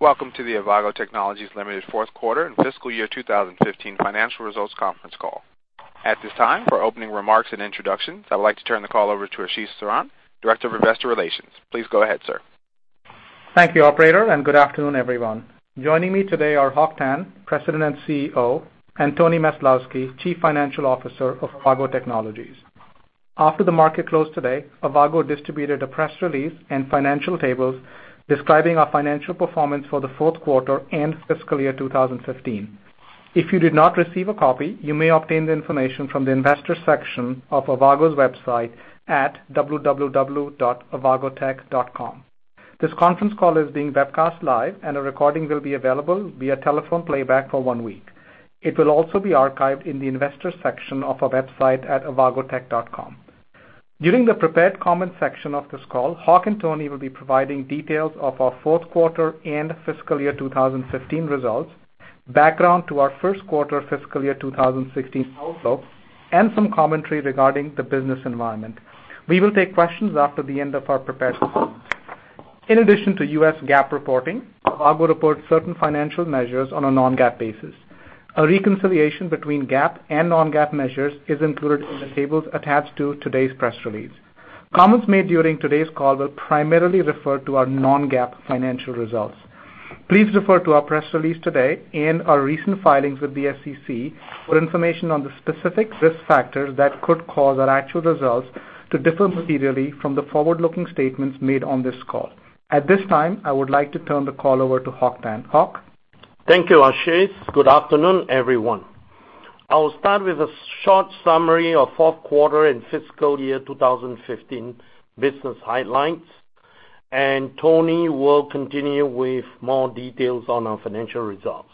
Welcome to the Avago Technologies Limited fourth quarter and fiscal year 2015 financial results conference call. At this time, for opening remarks and introductions, I'd like to turn the call over to Ashish Saran, Director of Investor Relations. Please go ahead, sir. Thank you, operator, and good afternoon, everyone. Joining me today are Hock Tan, President and CEO, and Anthony Maslowski, Chief Financial Officer of Avago Technologies. After the market closed today, Avago distributed a press release and financial tables describing our financial performance for the fourth quarter and fiscal year 2015. If you did not receive a copy, you may obtain the information from the investor section of Avago's website at www.avagotech.com. This conference call is being webcast live, and a recording will be available via telephone playback for one week. It will also be archived in the investors section of our website at avagotech.com. During the prepared comment section of this call, Hock and Tony will be providing details of our fourth quarter and fiscal year 2015 results, background to our first quarter fiscal year 2016 outlook, and some commentary regarding the business environment. We will take questions after the end of our prepared comments. In addition to US GAAP reporting, Avago reports certain financial measures on a non-GAAP basis. A reconciliation between GAAP and non-GAAP measures is included in the tables attached to today's press release. Comments made during today's call will primarily refer to our non-GAAP financial results. Please refer to our press release today and our recent filings with the SEC for information on the specific risk factors that could cause our actual results to differ materially from the forward-looking statements made on this call. At this time, I would like to turn the call over to Hock Tan. Hock? Thank you, Ashish. Good afternoon, everyone. I will start with a short summary of fourth quarter and fiscal year 2015 business highlights, and Tony will continue with more details on our financial results.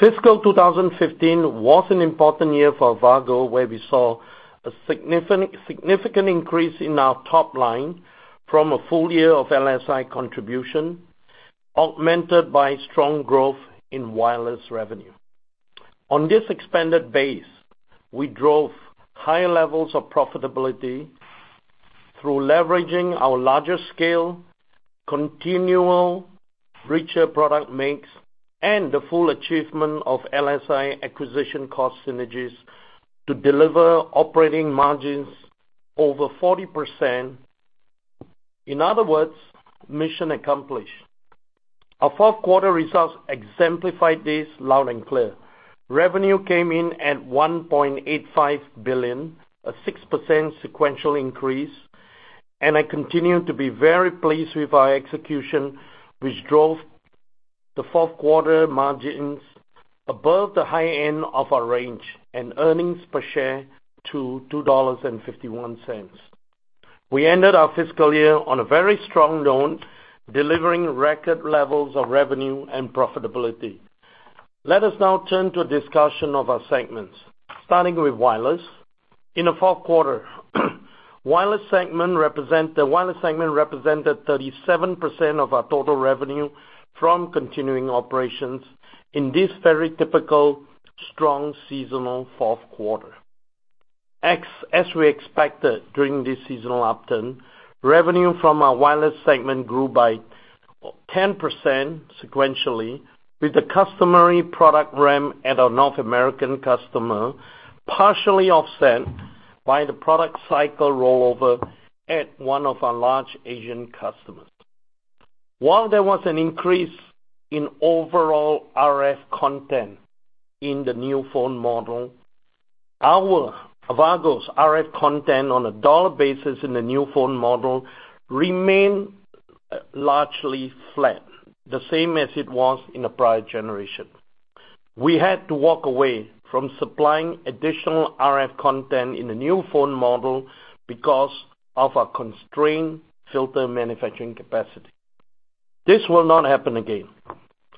Fiscal 2015 was an important year for Avago, where we saw a significant increase in our top line from a full year of LSI contribution, augmented by strong growth in wireless revenue. On this expanded base, we drove high levels of profitability through leveraging our larger scale, continual richer product mix, and the full achievement of LSI acquisition cost synergies to deliver operating margins over 40%. In other words, mission accomplished. Our fourth quarter results exemplified this loud and clear. Revenue came in at $1.85 billion, a 6% sequential increase. I continue to be very pleased with our execution, which drove the fourth-quarter margins above the high end of our range and earnings per share to $2.51. We ended our fiscal year on a very strong note, delivering record levels of revenue and profitability. Let us now turn to a discussion of our segments. Starting with wireless. In the fourth quarter, the wireless segment represented 37% of our total revenue from continuing operations in this very typical strong seasonal fourth quarter. As we expected during this seasonal uptick, revenue from our wireless segment grew by 10% sequentially, with the customary product ramp at our North American customer, partially offset by the product cycle rollover at one of our large Asian customers. While there was an increase in overall RF content in the new phone model, Avago's RF content on a dollar basis in the new phone model remained largely flat, the same as it was in the prior generation. We had to walk away from supplying additional RF content in the new phone model because of our constrained filter manufacturing capacity. This will not happen again.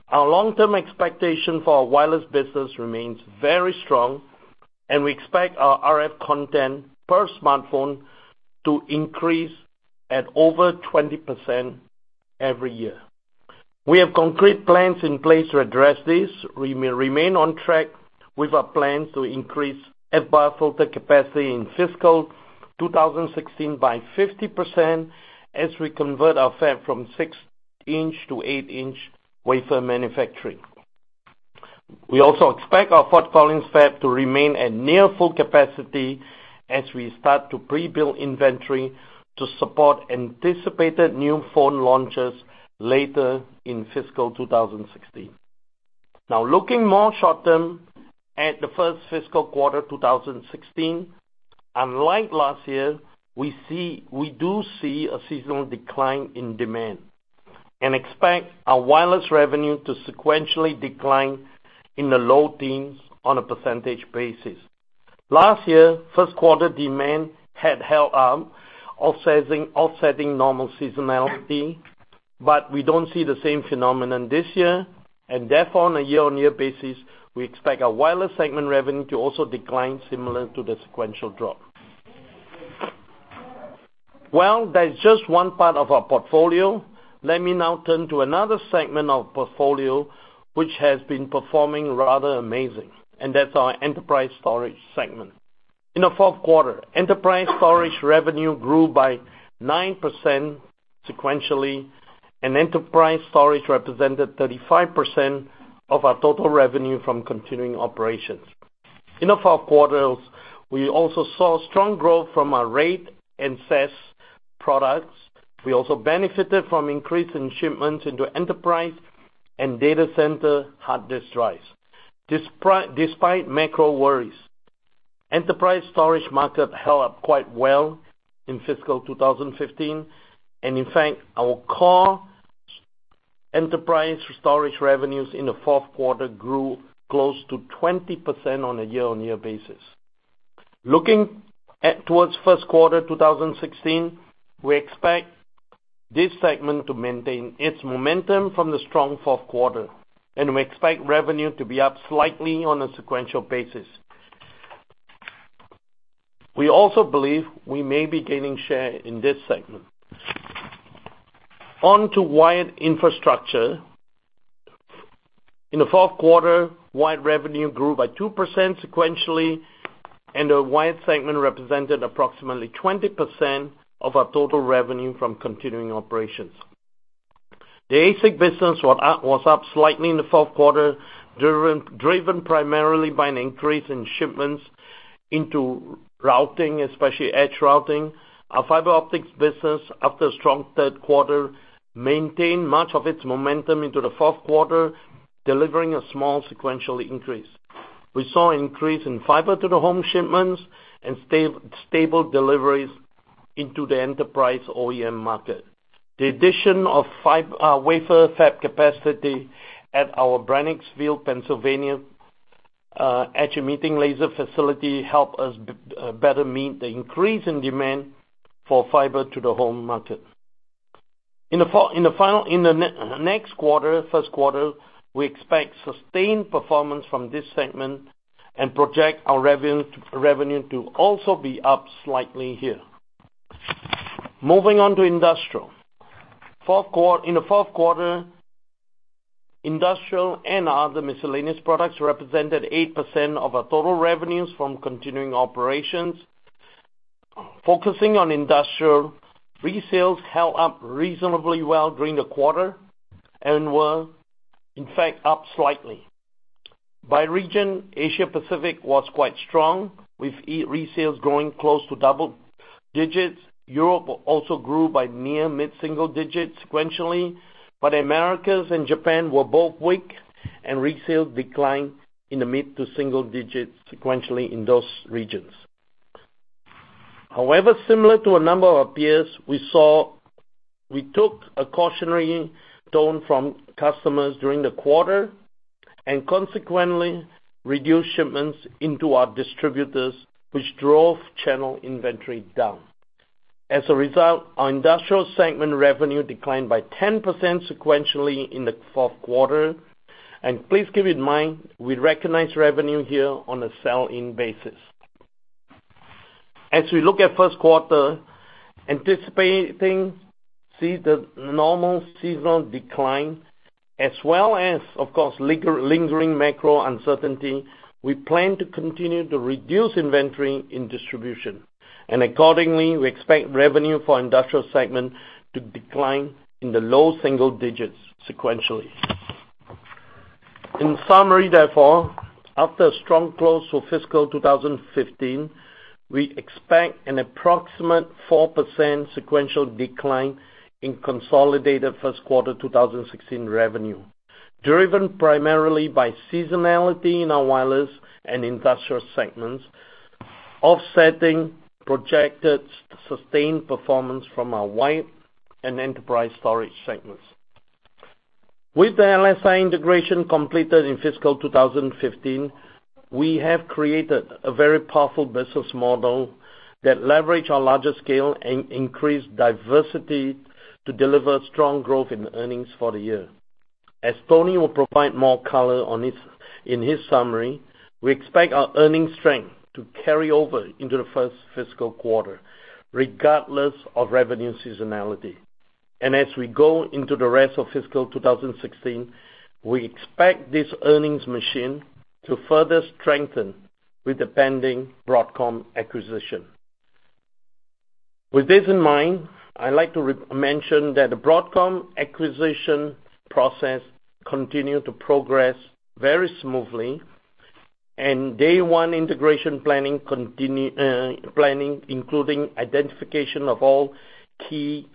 Our long-term expectation for our wireless business remains very strong. We expect our RF content per smartphone to increase at over 20% every year. We have concrete plans in place to address this. We remain on track with our plans to increase FBAR filter capacity in fiscal 2016 by 50% as we convert our fab from six-inch to eight-inch wafer manufacturing. We also expect our Fort Collins fab to remain at near full capacity as we start to pre-build inventory to support anticipated new phone launches later in fiscal 2016. Looking more short term at the first fiscal quarter 2016, unlike last year, we do see a seasonal decline in demand and expect our wireless revenue to sequentially decline in the low teens on a percentage basis. Last year, first quarter demand had held up, offsetting normal seasonality. We don't see the same phenomenon this year. Therefore, on a year-on-year basis, we expect our wireless segment revenue to also decline similar to the sequential drop. That is just one part of our portfolio. Let me now turn to another segment of portfolio which has been performing rather amazing. That's our enterprise storage segment. In the fourth quarter, enterprise storage revenue grew by 9% sequentially. Enterprise storage represented 35% of our total revenue from continuing operations. In the fourth quarter, we also saw strong growth from our RAID and SAS products. We also benefited from increase in shipments into enterprise and data center hard disk drives. Despite macro worries, enterprise storage market held up quite well in fiscal 2015. In fact, our core enterprise storage revenues in the fourth quarter grew close to 20% on a year-on-year basis. Looking towards first quarter 2016, we expect this segment to maintain its momentum from the strong fourth quarter. We expect revenue to be up slightly on a sequential basis. We also believe we may be gaining share in this segment. On to wired infrastructure. In the fourth quarter, wired revenue grew by 2% sequentially. The wired segment represented approximately 20% of our total revenue from continuing operations. The ASIC business was up slightly in the fourth quarter, driven primarily by an increase in shipments into routing, especially edge routing. Our fiber optics business, after a strong third quarter, maintained much of its momentum into the fourth quarter, delivering a small sequential increase. We saw increase in fiber-to-the-home shipments and stable deliveries into the enterprise OEM market. The addition of wafer fab capacity at our Breinigsville, Pennsylvania, edge-emitting laser facility help us better meet the increase in demand for fiber-to-the-home market. In the next quarter, first quarter, we expect sustained performance from this segment and project our revenue to also be up slightly here. Moving on to industrial. In the fourth quarter, industrial and other miscellaneous products represented 8% of our total revenues from continuing operations. Focusing on industrial, resales held up reasonably well during the quarter and were, in fact, up slightly. By region, Asia Pacific was quite strong, with resales growing close to double digits. Europe also grew by near mid-single digits sequentially, but Americas and Japan were both weak and resale declined in the mid to single digits sequentially in those regions. However, similar to a number of our peers, we took a cautionary tone from customers during the quarter and consequently reduced shipments into our distributors, which drove channel inventory down. As a result, our industrial segment revenue declined by 10% sequentially in the fourth quarter. Please keep in mind, we recognize revenue here on a sell-in basis. As we look at first quarter, anticipating the normal seasonal decline as well as, of course, lingering macro uncertainty, we plan to continue to reduce inventory in distribution. Accordingly, we expect revenue for industrial segment to decline in the low single digits sequentially. In summary, therefore, after a strong close for fiscal 2015, we expect an approximate 4% sequential decline in consolidated first quarter 2016 revenue, driven primarily by seasonality in our wireless and industrial segments, offsetting projected sustained performance from our wired and enterprise storage segments. With the LSI integration completed in fiscal 2015, we have created a very powerful business model that leverage our larger scale and increase diversity to deliver strong growth in earnings for the year. As Tony will provide more color in his summary, we expect our earnings strength to carry over into the first fiscal quarter, regardless of revenue seasonality. As we go into the rest of fiscal 2016, we expect this earnings machine to further strengthen with the pending Broadcom acquisition. With this in mind, I'd like to mention that the Broadcom acquisition process continue to progress very smoothly, and day one integration planning including identification of all key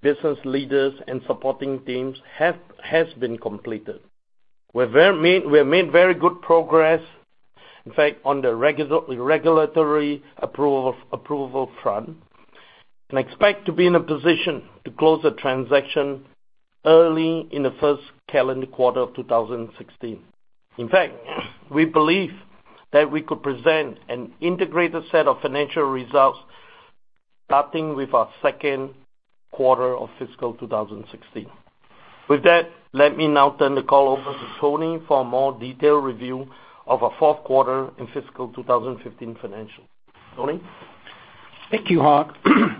business leaders and supporting teams has been completed. We have made very good progress, in fact, on the regulatory approval front, and expect to be in a position to close the transaction early in the first calendar quarter of 2016. In fact, we believe that we could present an integrated set of financial results starting with our second quarter of fiscal 2016. With that, let me now turn the call over to Tony for a more detailed review of our fourth quarter and fiscal 2015 financials. Tony? Thank you, Hock,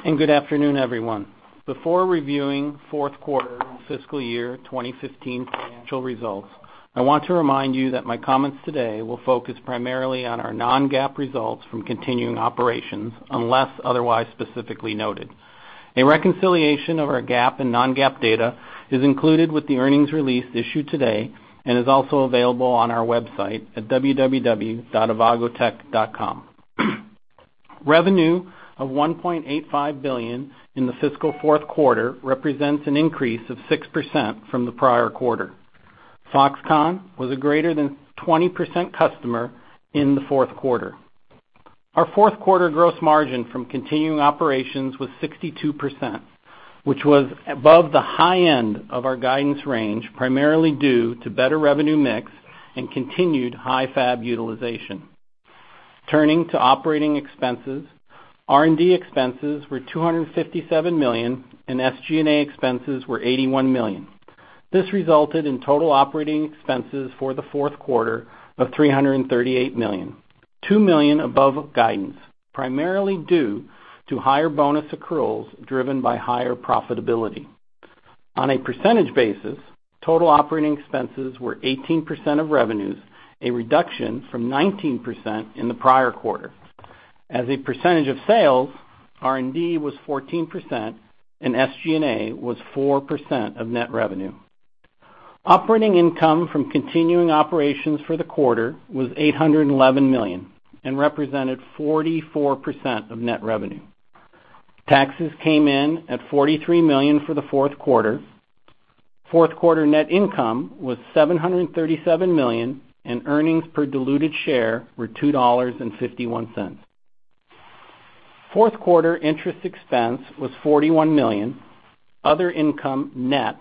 and good afternoon, everyone. Before reviewing fourth quarter and fiscal year 2015 financial results, I want to remind you that my comments today will focus primarily on our non-GAAP results from continuing operations, unless otherwise specifically noted. A reconciliation of our GAAP and non-GAAP data is included with the earnings release issued today and is also available on our website at www.avagotech.com. Revenue of $1.85 billion in the fiscal fourth quarter represents an increase of 6% from the prior quarter. Foxconn was a greater than 20% customer in the fourth quarter. Our fourth quarter gross margin from continuing operations was 62%, which was above the high end of our guidance range, primarily due to better revenue mix and continued high fab utilization. Turning to operating expenses, R&D expenses were $257 million, and SG&A expenses were $81 million. This resulted in total operating expenses for the fourth quarter of $338 million, $2 million above guidance, primarily due to higher bonus accruals driven by higher profitability. On a percentage basis, total operating expenses were 18% of revenues, a reduction from 19% in the prior quarter. As a percentage of sales, R&D was 14%, and SG&A was 4% of net revenue. Operating income from continuing operations for the quarter was $811 million and represented 44% of net revenue. Taxes came in at $43 million for the fourth quarter. Fourth-quarter net income was $737 million, and earnings per diluted share were $2.51. Fourth quarter interest expense was $41 million. Other income net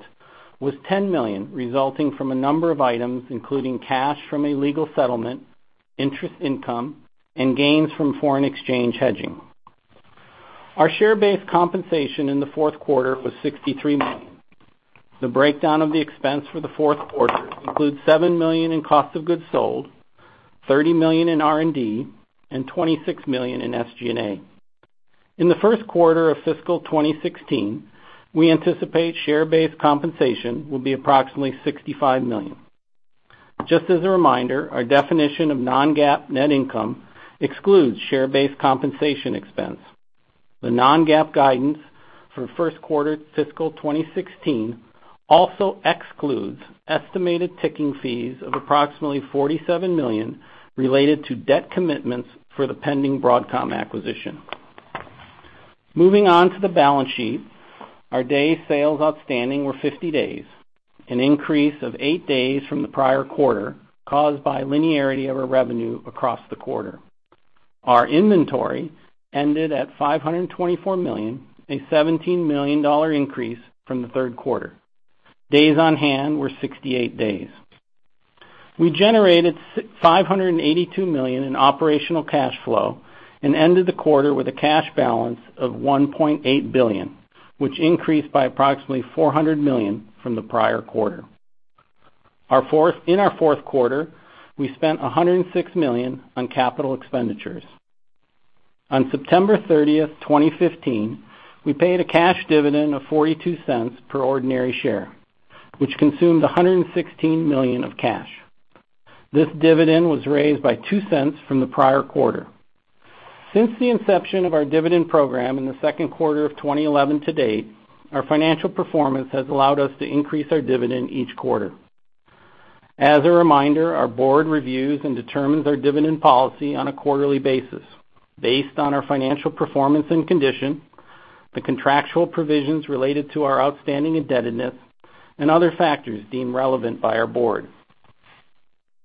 was $10 million, resulting from a number of items, including cash from a legal settlement, interest income, and gains from foreign exchange hedging. Our share-based compensation in the fourth quarter was $63 million. The breakdown of the expense for the fourth quarter includes $7 million in cost of goods sold, $30 million in R&D, and $26 million in SG&A. In the first quarter of fiscal 2016, we anticipate share-based compensation will be approximately $65 million. Just as a reminder, our definition of non-GAAP net income excludes share-based compensation expense. The non-GAAP guidance for first quarter fiscal 2016 also excludes estimated ticking fees of approximately $47 million related to debt commitments for the pending Broadcom acquisition. Moving on to the balance sheet. Our day sales outstanding were 50 days, an increase of eight days from the prior quarter caused by linearity of our revenue across the quarter. Our inventory ended at $524 million, a $17 million increase from the third quarter. Days on hand were 68 days. We generated $582 million in operational cash flow and ended the quarter with a cash balance of $1.8 billion, which increased by approximately $400 million from the prior quarter. In our fourth quarter, we spent $106 million on capital expenditures. On September 30th, 2015, we paid a cash dividend of $0.42 per ordinary share, which consumed $116 million of cash. This dividend was raised by $0.02 from the prior quarter. Since the inception of our dividend program in the second quarter of 2011 to date, our financial performance has allowed us to increase our dividend each quarter. As a reminder, our board reviews and determines our dividend policy on a quarterly basis based on our financial performance and condition, the contractual provisions related to our outstanding indebtedness, and other factors deemed relevant by our board.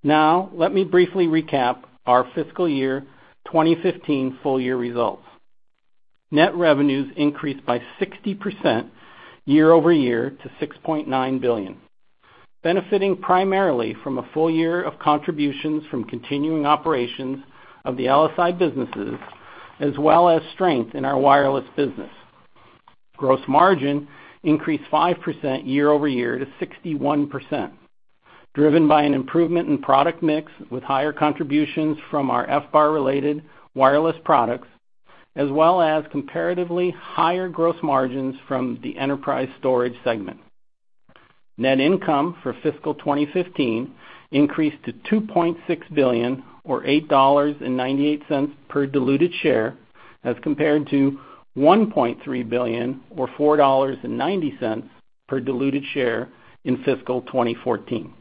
Now, let me briefly recap our fiscal year 2015 full-year results. Net revenues increased by 60% year-over-year to $6.9 billion, benefiting primarily from a full year of contributions from continuing operations of the LSI businesses, as well as strength in our wireless business. Gross margin increased 5% year-over-year to 61%, driven by an improvement in product mix with higher contributions from our FBAR-related wireless products, as well as comparatively higher gross margins from the enterprise storage segment. Net income for fiscal 2015 increased to $2.6 billion or $8.98 per diluted share as compared to $1.3 billion or $4.90 per diluted share in fiscal 2014.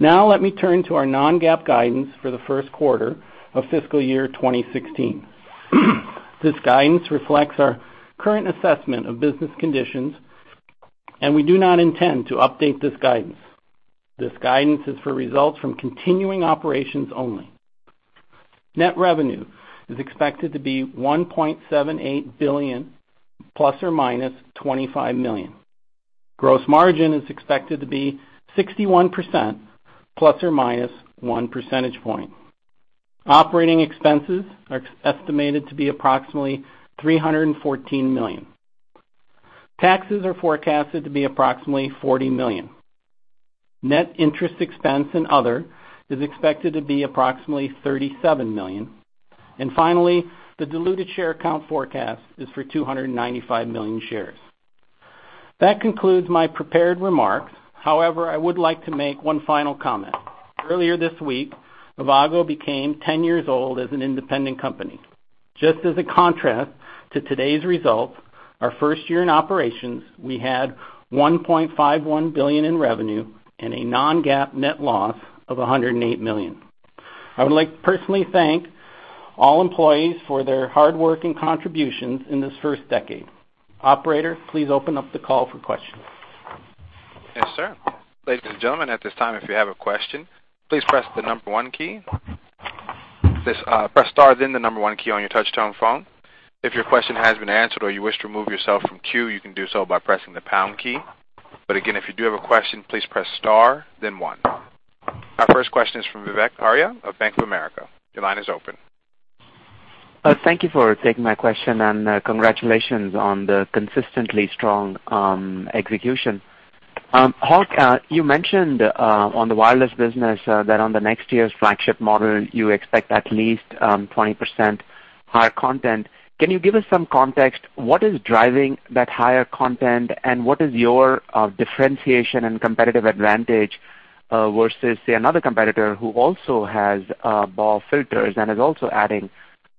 Let me turn to our non-GAAP guidance for the first quarter of fiscal year 2016. This guidance reflects our current assessment of business conditions. We do not intend to update this guidance. This guidance is for results from continuing operations only. Net revenue is expected to be $1.78 billion ±$25 million. Gross margin is expected to be 61% ±one percentage point. Operating expenses are estimated to be approximately $314 million. Taxes are forecasted to be approximately $40 million. Net interest expense and other is expected to be approximately $37 million. Finally, the diluted share count forecast is for 295 million shares. That concludes my prepared remarks. However, I would like to make one final comment. Earlier this week, Avago became 10 years old as an independent company. Just as a contrast to today's results, our first year in operations, we had $1.51 billion in revenue and a non-GAAP net loss of $108 million. I would like to personally thank all employees for their hard work and contributions in this first decade. Operator, please open up the call for questions. Yes, sir. Ladies and gentlemen, at this time, if you have a question, please press the number one key. Press star, then the number one key on your touch-tone phone. If your question has been answered or you wish to remove yourself from queue, you can do so by pressing the pound key. Again, if you do have a question, please press star, then one. Our first question is from Vivek Arya of Bank of America. Your line is open. Thank you for taking my question, and congratulations on the consistently strong execution. Hock, you mentioned on the wireless business that on the next year's flagship model, you expect at least 20% higher content. Can you give us some context? What is driving that higher content, and what is your differentiation and competitive advantage versus, say, another competitor who also has BAW filters and is also adding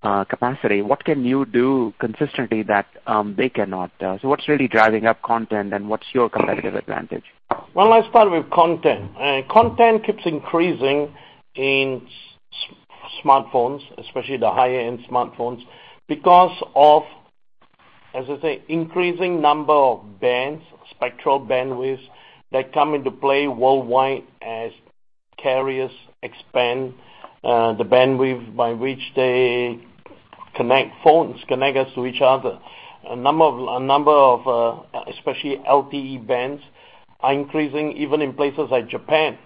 capacity? What can you do consistently that they cannot? What's really driving up content, and what's your competitive advantage? I'll start with content. Content keeps increasing in smartphones, especially the higher-end smartphones, because of, as I say, increasing number of bands, spectral bandwidth that come into play worldwide as carriers expand the bandwidth by which they connect phones, connect us to each other. A number of especially LTE bands are increasing, even in places like Japan,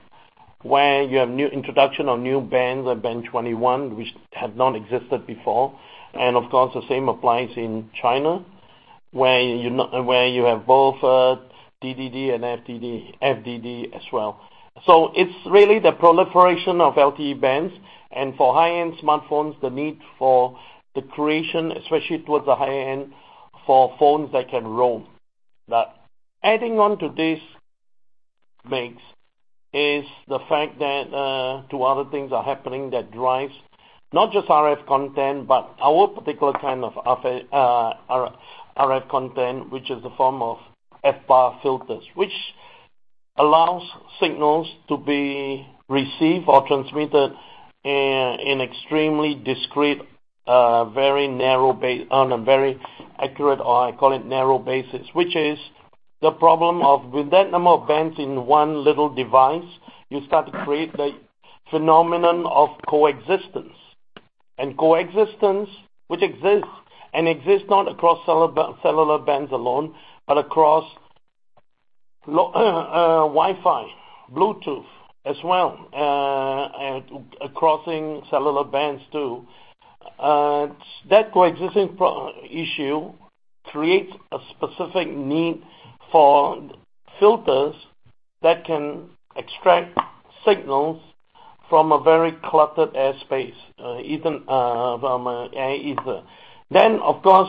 where you have new introduction of new bands, like Band 21, which had not existed before. The same applies in China, where you have both TDD and FDD as well. It's really the proliferation of LTE bands, and for high-end smartphones, the need for the creation, especially towards the high-end, for phones that can roam. Adding on to this mix is the fact that two other things are happening that drives not just RF content, but our particular kind of RF content, which is the form of FBAR filters, which allows signals to be received or transmitted in extremely discrete, on a very accurate, or I call it narrow, basis. Which is the problem of with that number of bands in one little device, you start to create the phenomenon of coexistence. Coexistence, which exists, and exists not across cellular bands alone, but across Wi-Fi, Bluetooth as well, and crossing cellular bands, too. That coexistence issue creates a specific need for filters that can extract signals from a very cluttered airspace, from ether.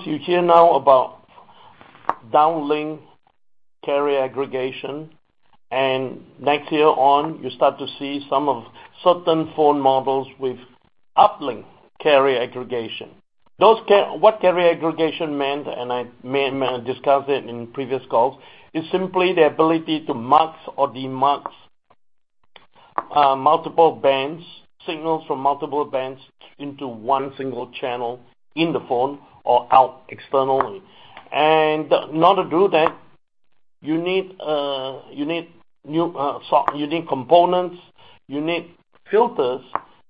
You hear now about downlink carrier aggregation, and next year on, you start to see some of certain phone models with uplink carrier aggregation. What carrier aggregation meant, and I discussed it in previous calls, is simply the ability to mux or demux multiple bands, signals from multiple bands into one single channel in the phone or out externally. In order to do that, you need components, you need filters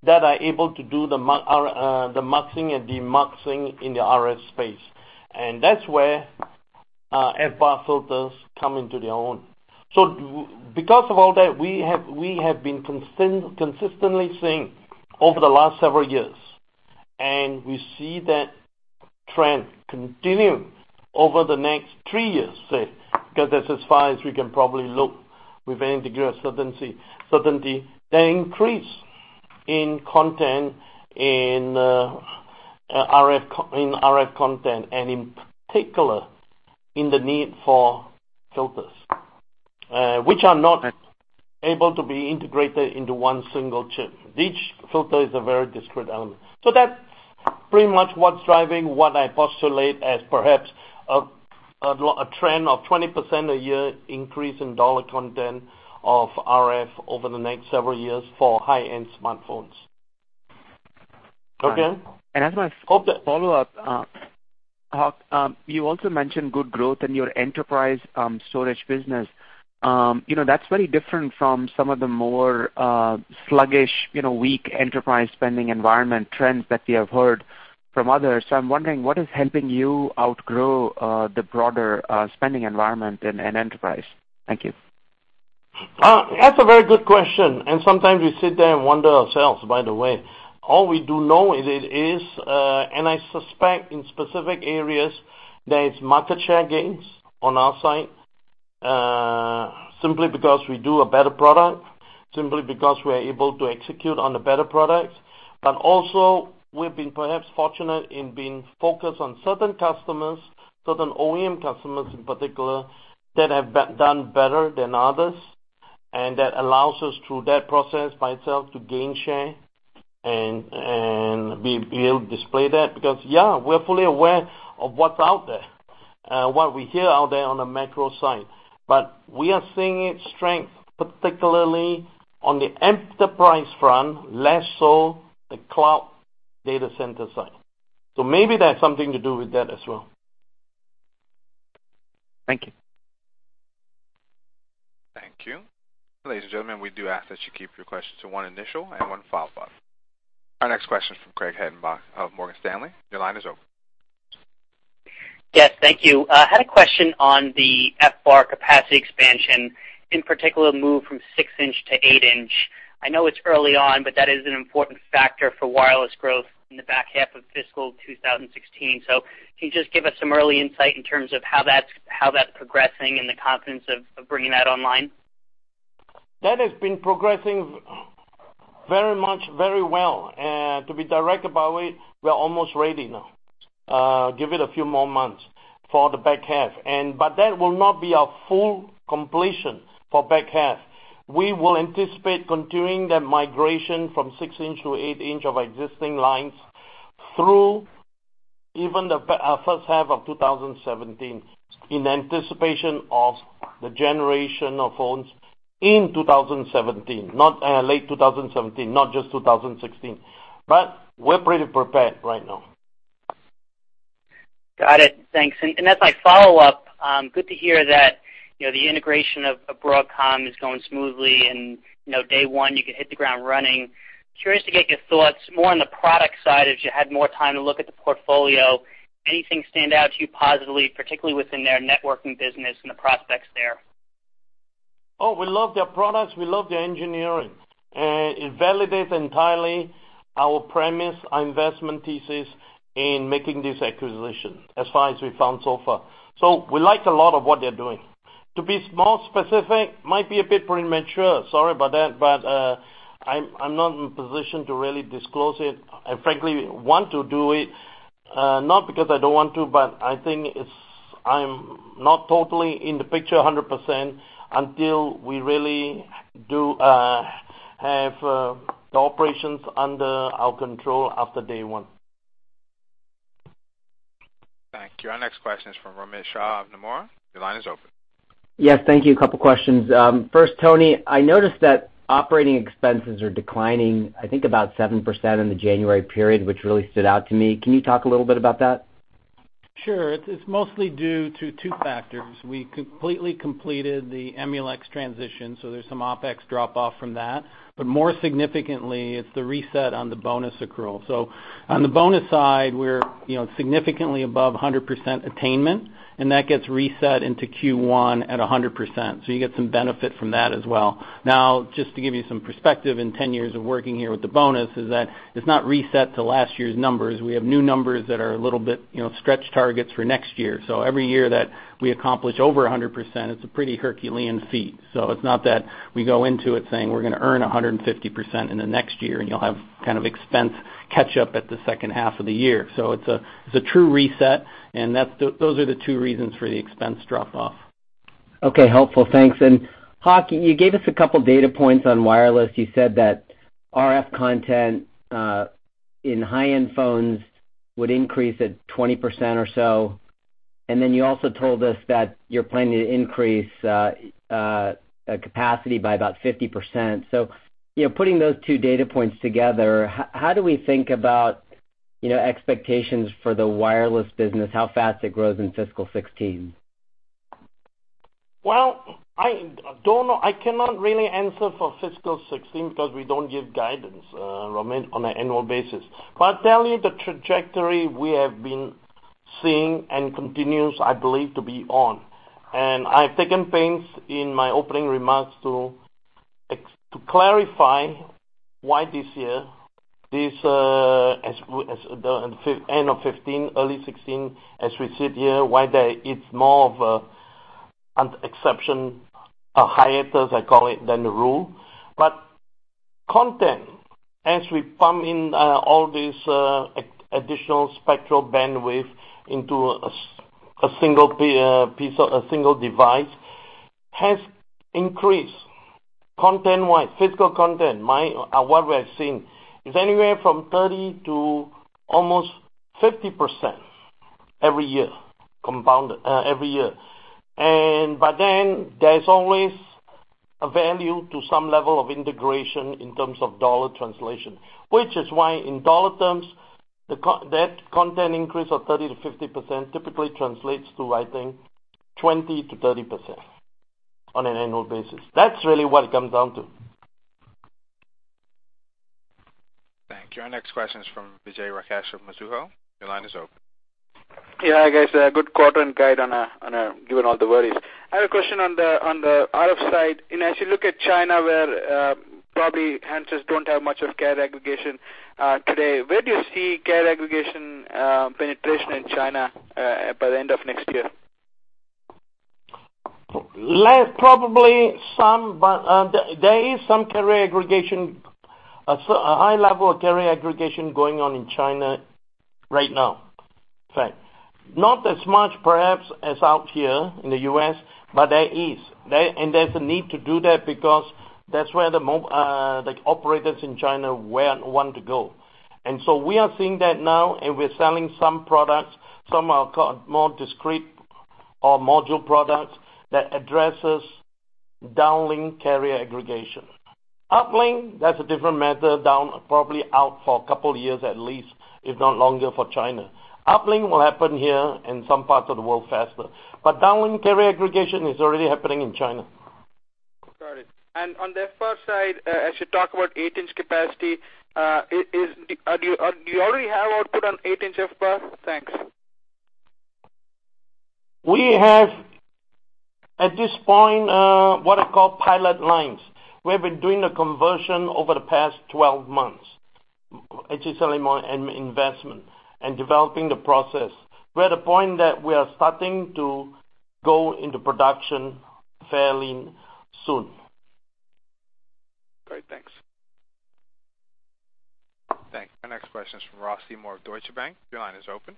that are able to do the muxing and demuxing in the RF space. That's where FBAR filters come into their own. Because of all that, we have been consistently seeing over the last several years, and we see that trend continuing over the next three years, say, because that's as far as we can probably look with any degree of certainty. The increase in content, in RF content, and in particular in the need for filters, which are not able to be integrated into one single chip. Each filter is a very discrete element. That's pretty much what's driving what I postulate as perhaps a trend of 20% a year increase in dollar content of RF over the next several years for high-end smartphones. Okay? As my follow-up, Hock, you also mentioned good growth in your enterprise storage business. That's very different from some of the more sluggish, weak enterprise spending environment trends that we have heard from others. I'm wondering, what is helping you outgrow the broader spending environment in enterprise? Thank you. That's a very good question, and sometimes we sit there and wonder ourselves, by the way. All we do know is it is, and I suspect in specific areas, there is market share gains on our side. Simply because we do a better product, simply because we are able to execute on the better products. Also, we've been perhaps fortunate in being focused on certain customers, certain OEM customers in particular, that have done better than others, and that allows us through that process by itself to gain share, and we'll display that because, yeah, we're fully aware of what's out there, what we hear out there on a macro side. We are seeing its strength, particularly on the enterprise front, less so the cloud data center side. Maybe that's something to do with that as well. Thank you. Thank you. Ladies and gentlemen, we do ask that you keep your questions to one initial and one follow-up. Our next question is from Craig Hettenbach of Morgan Stanley. Your line is open. Yes, thank you. I had a question on the FBAR capacity expansion, in particular, move from six inch to eight inch. I know it's early on, but that is an important factor for wireless growth in the back half of fiscal 2016. Can you just give us some early insight in terms of how that's progressing and the confidence of bringing that online? That has been progressing very much, very well. To be direct about it, we're almost ready now. Give it a few more months for the back half. That will not be our full completion for back half. We will anticipate continuing that migration from six inch to eight inch of existing lines through even the first half of 2017 in anticipation of the generation of phones in 2017, late 2017, not just 2016. We're pretty prepared right now. Got it. Thanks. As my follow-up, good to hear that the integration of Broadcom is going smoothly and day one, you can hit the ground running. Curious to get your thoughts more on the product side as you had more time to look at the portfolio. Anything stand out to you positively, particularly within their networking business and the prospects there? Oh, we love their products. We love their engineering. It validates entirely our premise, our investment thesis in making this acquisition as far as we've found so far. We like a lot of what they're doing. To be more specific, might be a bit premature, sorry about that, but I'm not in a position to really disclose it. I frankly want to do it, not because I don't want to, but I think I'm not totally in the picture 100% until we really do have the operations under our control after day one. Thank you. Our next question is from Romit Shah of Nomura. Your line is open. Yes, thank you. A couple of questions. First, Tony, I noticed that operating expenses are declining, I think about 7% in the January period, which really stood out to me. Can you talk a little bit about that? Sure. It's mostly due to two factors. We completely completed the Emulex transition, there's some OpEx drop off from that. More significantly, it's the reset on the bonus accrual. On the bonus side, we're significantly above 100% attainment, and that gets reset into Q1 at 100%. You get some benefit from that as well. Just to give you some perspective in 10 years of working here with the bonus is that it's not reset to last year's numbers. We have new numbers that are a little bit stretch targets for next year. Every year that we accomplish over 100%, it's a pretty Herculean feat. It's not that we go into it saying we're going to earn 150% in the next year, and you'll have kind of expense catch up at the second half of the year. It's a true reset, those are the two reasons for the expense drop-off. Okay, helpful. Thanks. Hock, you gave us a couple data points on wireless. You said that RF content in high-end phones would increase at 20% or so, then you also told us that you're planning to increase capacity by about 50%. Putting those two data points together, how do we think about expectations for the wireless business, how fast it grows in fiscal 2016? Well, I cannot really answer for fiscal 2016 because we don't give guidance, Romit, on an annual basis. I'll tell you the trajectory we have been seeing and continues, I believe, to be on. I've taken pains in my opening remarks to clarify why this year, end of 2015, early 2016, as we sit here, why it's more of an exception, a hiatus, I call it, than the rule. Content, as we pump in all this additional spectral bandwidth into a single device, has increased content-wise, physical content. What we're seeing is anywhere from 30% to almost 50% every year. There's always a value to some level of integration in terms of dollar translation, which is why in dollar terms, that content increase of 30% to 50% typically translates to, I think, 20% to 30% on an annual basis. That's really what it comes down to. Thank you. Our next question is from Vijay Rakesh of Mizuho. Your line is open. Yeah, guys, good quarter and guide given all the worries. I have a question on the RF side. As you look at China, where probably handsets don't have much of carrier aggregation today, where do you see carrier aggregation penetration in China by the end of next year? Less probably some, but there is some carrier aggregation, a high level of carrier aggregation going on in China right now. In fact, not as much perhaps as out here in the U.S., but there is. There's a need to do that because that's where the operators in China want to go. We are seeing that now, and we're selling some products, some are more discrete or module products that addresses downlink carrier aggregation. Uplink, that's a different matter, down probably out for a couple of years at least, if not longer for China. Uplink will happen here in some parts of the world faster. Downlink carrier aggregation is already happening in China. Got it. On the FBAR side, as you talk about eight-inch capacity, do you already have output on eight-inch FBAR? Thanks. We have, at this point, what I call pilot lines. We have been doing the conversion over the past 12 months. It's certainly more investment and developing the process. We're at a point that we are starting to go into production fairly soon. Great. Thanks. Thanks. Our next question is from Ross Seymore of Deutsche Bank. Your line is open.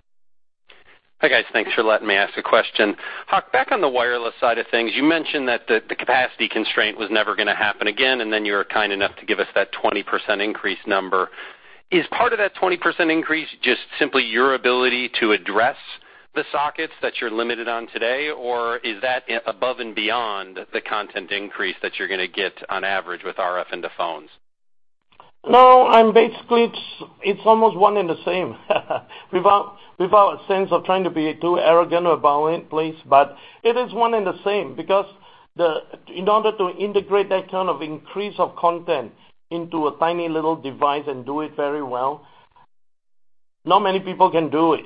Hi, guys. Thanks for letting me ask a question. Hock, back on the wireless side of things, you mentioned that the capacity constraint was never going to happen again, and then you were kind enough to give us that 20% increase number. Is part of that 20% increase just simply your ability to address the sockets that you're limited on today? Or is that above and beyond the content increase that you're going to get on average with RF into phones? No, basically it's almost one and the same. Without a sense of trying to be too arrogant or boastful, but it is one and the same because in order to integrate that kind of increase of content into a tiny little device and do it very well, not many people can do it,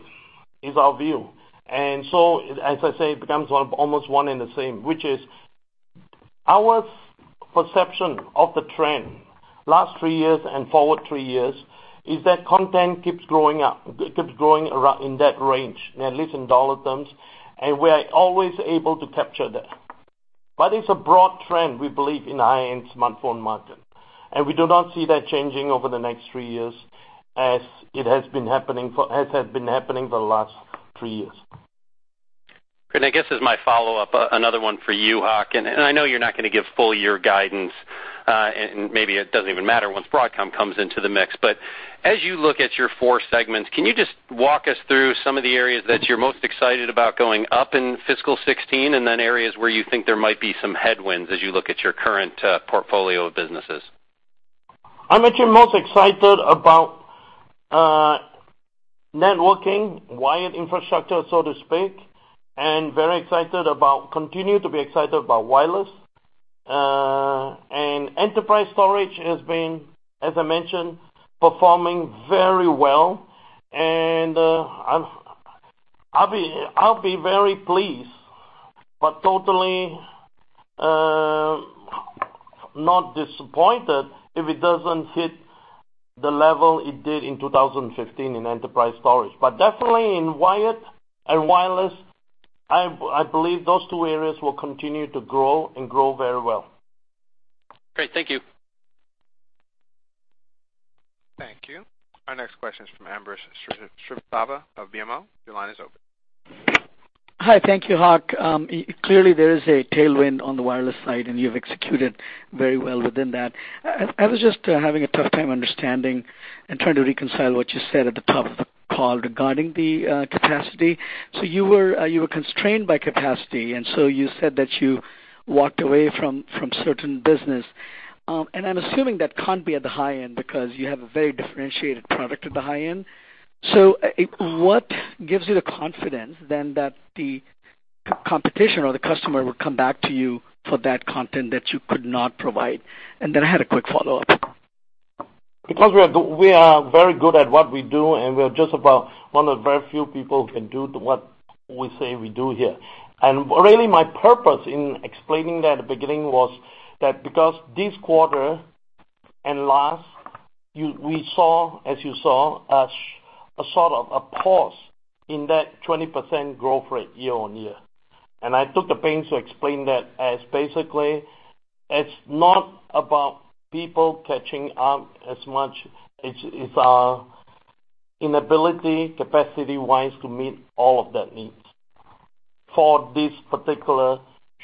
is our view. As I say, it becomes almost one and the same, which is our perception of the trend last three years and forward three years is that content keeps growing up. It keeps growing in that range, at least in dollar terms, and we're always able to capture that. It's a broad trend, we believe, in high-end smartphone market. We do not see that changing over the next three years as it has been happening for the last three years. Great. I guess as my follow-up, another one for you, Hock, I know you're not going to give full year guidance, and maybe it doesn't even matter once Broadcom comes into the mix. As you look at your four segments, can you just walk us through some of the areas that you're most excited about going up in fiscal 2016 and then areas where you think there might be some headwinds as you look at your current portfolio of businesses? I'm actually most excited about networking, wired infrastructure, so to speak, and very excited about, continue to be excited about wireless. Enterprise storage has been, as I mentioned, performing very well. I'll be very pleased but totally not disappointed if it doesn't hit the level it did in 2015 in enterprise storage. Definitely in wired and wireless, I believe those two areas will continue to grow and grow very well. Great. Thank you. Thank you. Our next question is from Ambrish Srivastava of BMO. Your line is open. Hi. Thank you, Hock. Clearly, there is a tailwind on the wireless side, and you've executed very well within that. I was just having a tough time understanding and trying to reconcile what you said at the top of the call regarding the capacity. You were constrained by capacity, and so you said that you walked away from certain business. I'm assuming that can't be at the high end because you have a very differentiated product at the high end. What gives you the confidence then that the competition or the customer would come back to you for that content that you could not provide? Then I had a quick follow-up. We are very good at what we do, and we're just about one of very few people who can do what we say we do here. Really my purpose in explaining that at the beginning was that because this quarter and last, we saw, as you saw, a sort of a pause in that 20% growth rate year-on-year. I took the pains to explain that as basically it's not about people catching up as much, it's our inability, capacity-wise, to meet all of that needs for this particular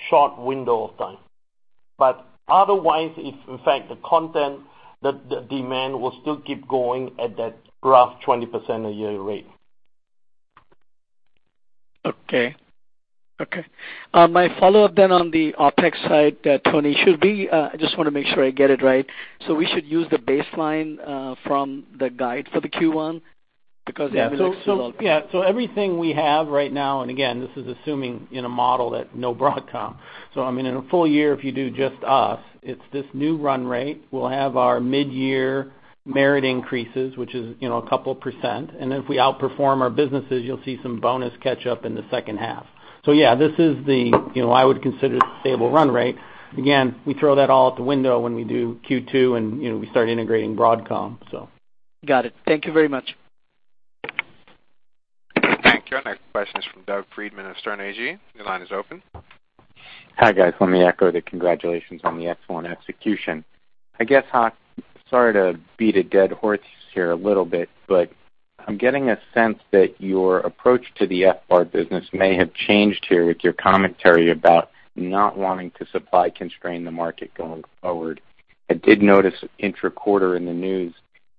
short window of time. Otherwise, if in fact, the content, the demand will still keep going at that rough 20% a year rate. Okay. My follow-up then on the OpEx side, Tony, I just want to make sure I get it right. We should use the baseline from the guide for the Q1? Yeah. Everything we have right now, and again, this is assuming in a model that no Broadcom. In a full year, if you do just us, it's this new run rate. We'll have our mid-year merit increases, which is a couple of percent, and if we outperform our businesses, you'll see some bonus catch up in the second half. Yeah, this is the, I would consider it a stable run rate. Again, we throw that all out the window when we do Q2 and we start integrating Broadcom. Got it. Thank you very much. Thank you. Our next question is from Doug Freedman of Sterne Agee CRT. Your line is open. Hi, guys. Let me echo the congratulations on the excellent execution. I guess, Hock, sorry to beat a dead horse here a little bit, but I'm getting a sense that your approach to the FBAR business may have changed here with your commentary about not wanting to supply constrain the market going forward. I did notice intra-quarter in the news,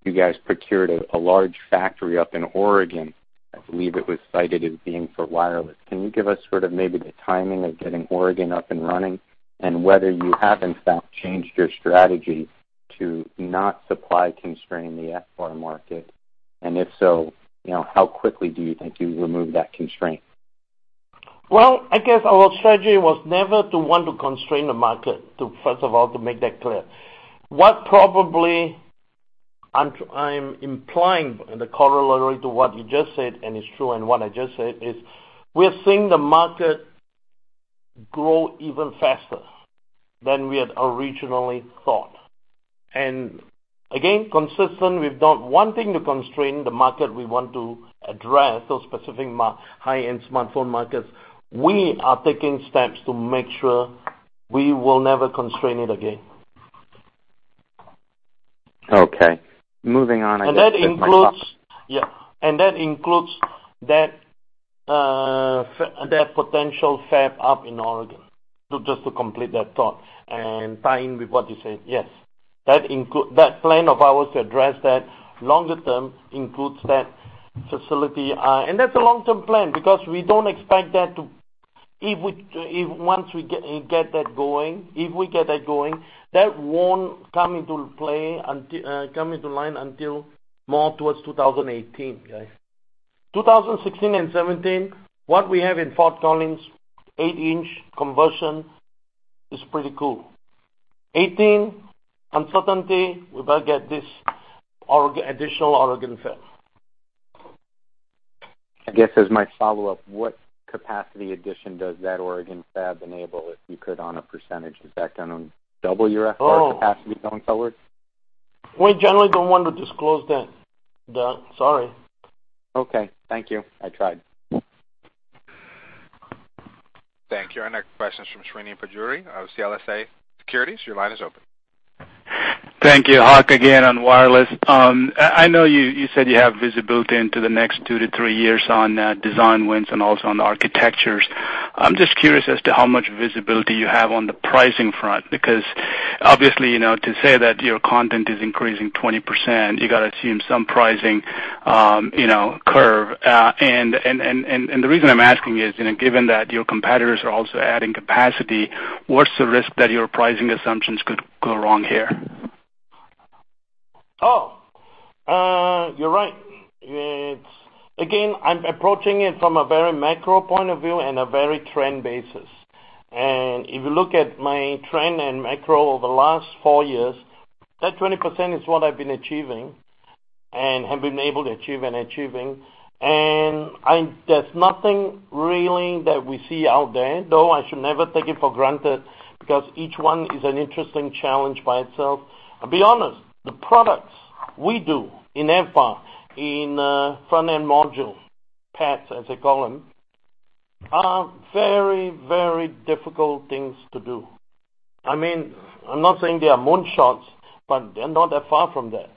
you guys procured a large factory up in Oregon. I believe it was cited as being for wireless. Can you give us sort of maybe the timing of getting Oregon up and running, and whether you have in fact changed your strategy to not supply constrain the FBAR market, and if so, how quickly do you think you remove that constraint? Well, I guess our strategy was never to want to constrain the market, first of all, to make that clear. What probably I'm implying in the corollary to what you just said, and it's true, and what I just said is we're seeing the market grow even faster than we had originally thought. Again, consistent, we've not wanting to constrain the market, we want to address those specific high-end smartphone markets. We are taking steps to make sure we will never constrain it again. Okay. Moving on, I guess. That includes. That's my thought. Yeah. That includes that potential fab up in Oregon, just to complete that thought and tie in with what you said. Yes. That plan of ours to address that longer term includes that facility. That's a long-term plan because we don't expect that to, if once we get that going, that won't come into line until more towards 2018, guys. 2016 and 2017, what we have in Fort Collins, 8-inch conversion is pretty cool. 2018, uncertainty, we better get this additional Oregon fab. I guess as my follow-up, what capacity addition does that Oregon fab enable, if you could, on a percentage? Is that going to double your FBAR capacity going forward? We generally don't want to disclose that. Sorry. Okay. Thank you. I tried. Thank you. Our next question's from Srini Pajjuri of CLSA Americas. Your line is open. Thank you. Hock, again, on wireless. I know you said you have visibility into the next two to three years on design wins and also on the architectures. I'm just curious as to how much visibility you have on the pricing front, because obviously, to say that your content is increasing 20%, you got to assume some pricing curve. The reason I'm asking is, given that your competitors are also adding capacity, what's the risk that your pricing assumptions could go wrong here? Oh. You're right. Again, I'm approaching it from a very macro point of view and a very trend basis. If you look at my trend and macro over the last four years, that 20% is what I've been achieving and have been able to achieve and achieving. There's nothing really that we see out there, though I should never take it for granted because each one is an interesting challenge by itself. To be honest, the products we do in FBAR, in front-end module, PADs, as they call them, are very, very difficult things to do. I'm not saying they are moon shots, but they're not that far from that.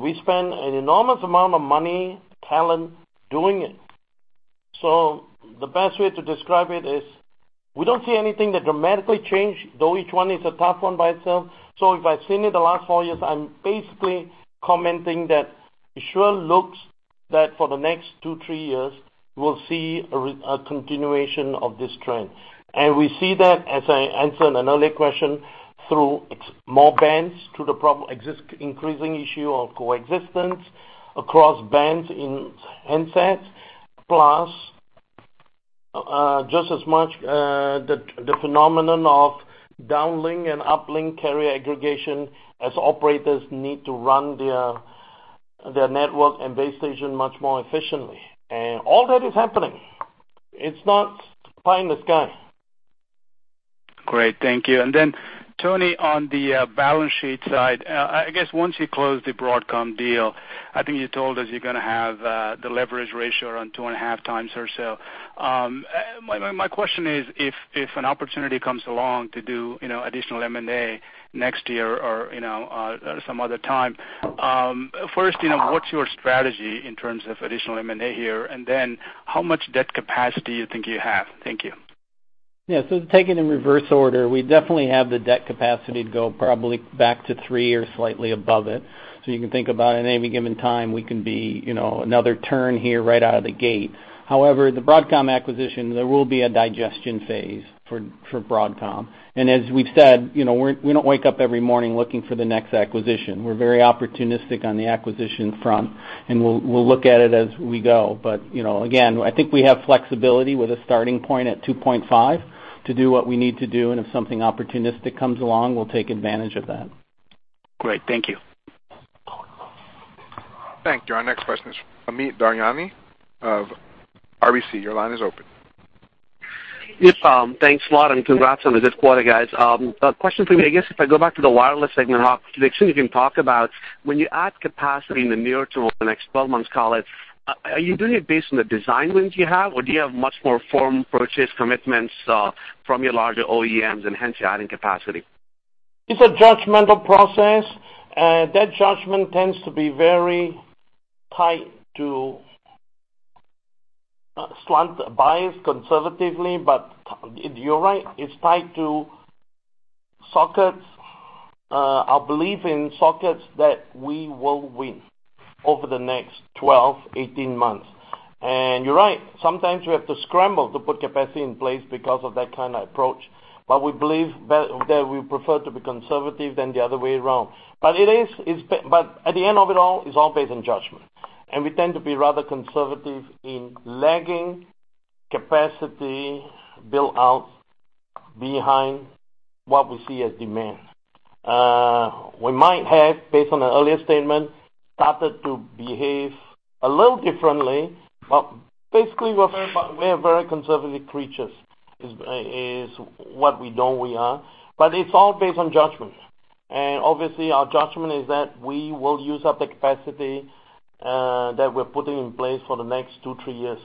We spend an enormous amount of money, talent doing it. The best way to describe it is we don't see anything that dramatically change, though each one is a tough one by itself. If I've seen it the last four years, I'm basically commenting that it sure looks that for the next two, three years, we'll see a continuation of this trend. We see that, as I answered an earlier question, through more bands, through the increasing issue of coexistence across bands in handsets, plus, just as much, the phenomenon of downlink and uplink carrier aggregation as operators need to run their network and base station much more efficiently. All that is happening. It's not pie in the sky. Great. Thank you. Tony, on the balance sheet side, I guess once you close the Broadcom deal, I think you told us you're going to have the leverage ratio around 2.5 times or so. My question is if an opportunity comes along to do additional M&A next year or some other time, first, what's your strategy in terms of additional M&A here, and then how much debt capacity you think you have? Thank you. Yeah. Taking in reverse order, we definitely have the debt capacity to go probably back to three or slightly above it. You can think about it, at any given time, we can be another turn here right out of the gate. However, the Broadcom acquisition, there will be a digestion phase for Broadcom. As we've said, we don't wake up every morning looking for the next acquisition. We're very opportunistic on the acquisition front, and we'll look at it as we go. Again, I think we have flexibility with a starting point at 2.5 to do what we need to do, and if something opportunistic comes along, we'll take advantage of that. Great. Thank you. Thank you. Our next question is from Amit Daryanani of RBC. Your line is open. Yep. Thanks a lot. Congrats on the good quarter, guys. A question for me, I guess, if I go back to the wireless segment, Hock, to the extent you can talk about when you add capacity in the near term, the next 12 months, call it, are you doing it based on the design wins you have, or do you have much more firm purchase commitments from your larger OEMs? Hence you're adding capacity? It's a judgmental process. That judgment tends to be very tight to slant bias conservatively, but you're right, it's tied to sockets, our belief in sockets that we will win over the next 12, 18 months. You're right, sometimes we have to scramble to put capacity in place because of that kind of approach. We believe that we prefer to be conservative than the other way around. At the end of it all, it's all based on judgment. We tend to be rather conservative in lagging capacity build-outs behind what we see as demand. We might have, based on an earlier statement, started to behave a little differently. Basically, we are very conservative creatures, is what we know we are. It's all based on judgment. Obviously our judgment is that we will use up the capacity that we're putting in place for the next two, three years.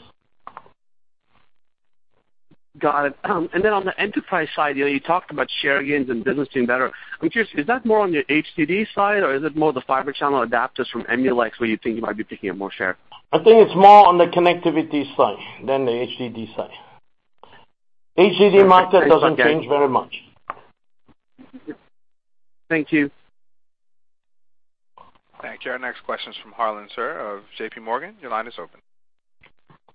Got it. Then on the enterprise side, you talked about share gains and business doing better. I'm curious, is that more on your HDD side or is it more the Fibre Channel adapters from Emulex where you think you might be picking up more share? I think it's more on the connectivity side than the HDD side. HDD market doesn't change very much. Thank you. Thank you. Our next question is from Harlan Sur of J.P. Morgan. Your line is open.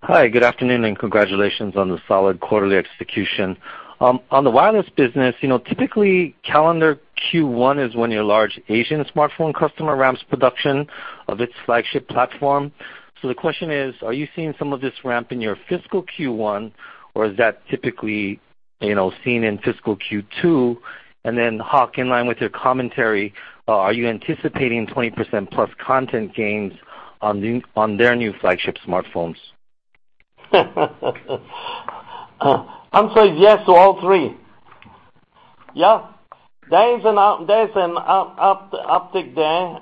Hi, good afternoon. Congratulations on the solid quarterly execution. On the wireless business, typically calendar Q1 is when your large Asian smartphone customer ramps production of its flagship platform. The question is, are you seeing some of this ramp in your fiscal Q1, or is that typically seen in fiscal Q2? Hock, in line with your commentary, are you anticipating 20% plus content gains on their new flagship smartphones? Answer is yes to all three. There is an uptick there,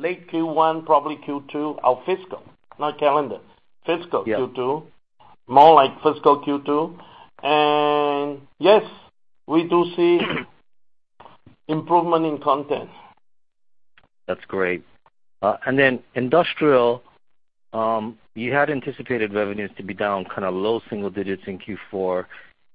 late Q1, probably Q2 of fiscal, not calendar. Fiscal Q2. Yeah. More like fiscal Q2. Yes, we do see improvement in content. That's great. Industrial, you had anticipated revenues to be down low single digits in Q4.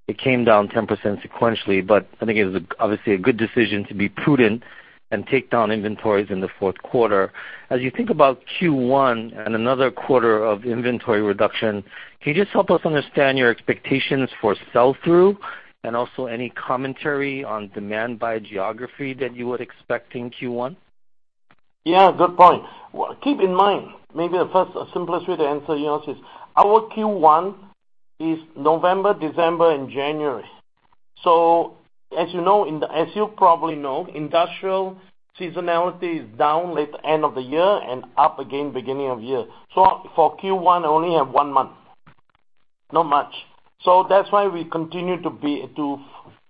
It came down 10% sequentially, but I think it was obviously a good decision to be prudent and take down inventories in the fourth quarter. As you think about Q1 and another quarter of inventory reduction, can you just help us understand your expectations for sell-through and also any commentary on demand by geography that you would expect in Q1? Good point. Keep in mind, maybe the first simplest way to answer, is our Q1 is November, December, and January. As you probably know, industrial seasonality is down late end of the year and up again beginning of year. For Q1, I only have one month. Not much. That's why we continue to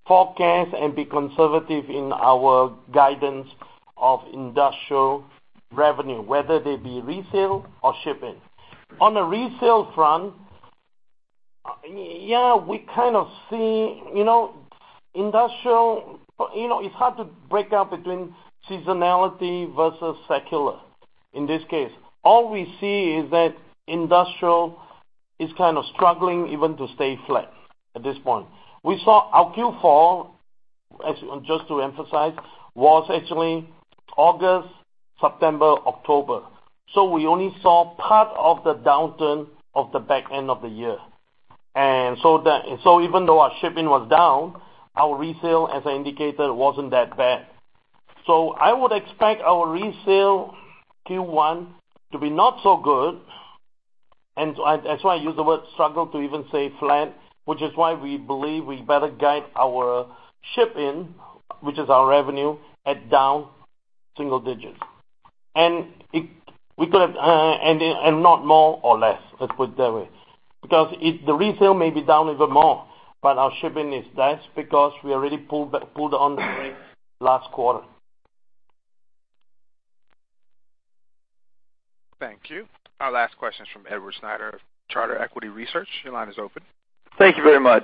forecast and be conservative in our guidance of industrial revenue, whether they be resale or ship-in. On the resale front, yeah, we kind of see industrial, it's hard to break out between seasonality versus secular in this case. All we see is that industrial is kind of struggling even to stay flat at this point. We saw our Q4, just to emphasize, was actually August, September, October. We only saw part of the downturn of the back end of the year. Even though our shipping was down, our resale, as I indicated, wasn't that bad. I would expect our resale Q1 to be not so good, and that's why I use the word struggle to even say flat, which is why we believe we better guide our ship-in, which is our revenue, at down single digits. Not more or less, let's put it that way. The resale may be down even more, but our ship-in is that because we already pulled on the brakes last quarter. Thank you. Our last question is from Edward Snyder of Charter Equity Research. Your line is open. Thank you very much.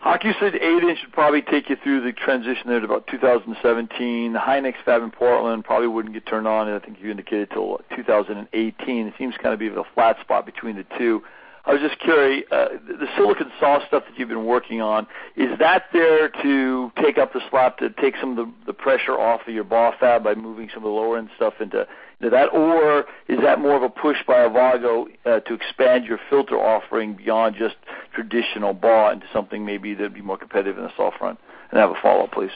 Hock, you said eight-inch should probably take you through the transition there to about 2017. The high-mix fab in Portland probably wouldn't get turned on, and I think you indicated till what, 2018. It seems to be a flat spot between the two. I was just curious, the silicon SAW stuff that you've been working on, is that there to take up the slack, to take some of the pressure off of your BAW fab by moving some of the lower-end stuff into that? Or is that more of a push by Avago to expand your filter offering beyond just traditional BAW into something maybe that'd be more competitive in the SAW front? I have a follow-up, please.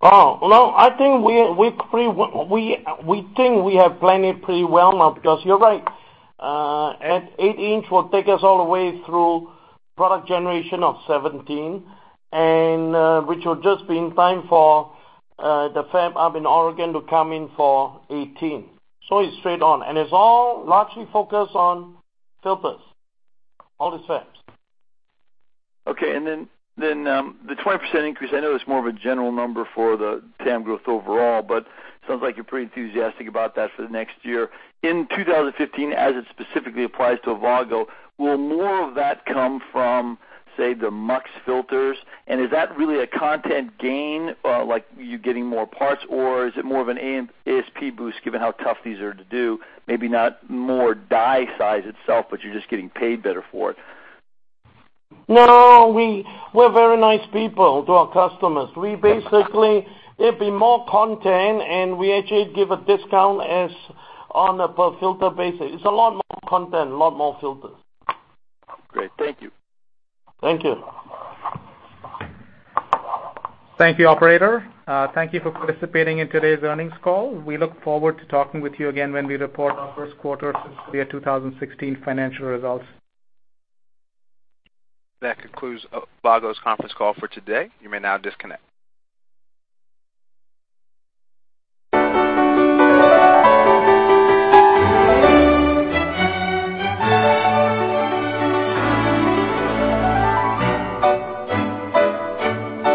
We think we have planned it pretty well now because you're right. At eight-inch will take us all the way through product generation of 2017, which will just be in time for the fab up in Oregon to come in for 2018. It's straight on, it's all largely focused on filters, all these fabs. Okay, the 20% increase, I know it's more of a general number for the TAM growth overall, but sounds like you're pretty enthusiastic about that for the next year. In 2015, as it specifically applies to Avago, will more of that come from, say, the mux filters? Is that really a content gain, like you getting more parts, or is it more of an ASP boost given how tough these are to do? Maybe not more die size itself, but you're just getting paid better for it. No, we're very nice people to our customers. We basically, it'd be more content, and we actually give a discount as on a per-filter basis. It's a lot more content, a lot more filters. Great. Thank you. Thank you. Thank you, operator. Thank you for participating in today's earnings call. We look forward to talking with you again when we report our first quarter fiscal year 2016 financial results. That concludes Avago's conference call for today. You may now disconnect.